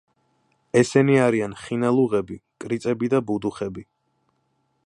ესენი არიან ხინალუღები, კრიწები და ბუდუხები.